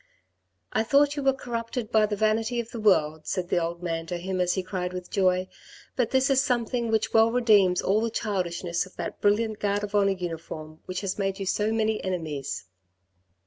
" I thought you were corrupted by the vanity of the world," said the old man to him as he cried with joy, " but this is something which well redeems all the childishness of that brilliant Guard of Honour uniform which has made you so many enemies."